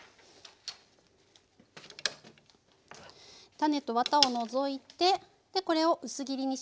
種とワタを除いてこれを薄切りにします。